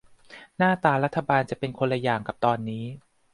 หน้าตารัฐบาลจะเป็นคนละอย่างกับตอนนี้